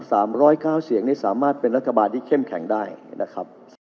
สามร้อยเก้าเสียงนี่สามารถเป็นรัฐบาลที่เข้มแข็งได้นะครับ